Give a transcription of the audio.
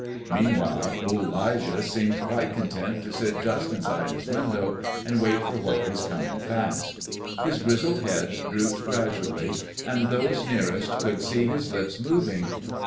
Meanwhile old 'Lijah seemed quite content to sit just inside his window and wait for what was coming fast. His grizzled head drooped gradually, and those nearest could see his lips moving.